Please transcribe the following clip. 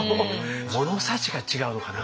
物差しが違うのかな？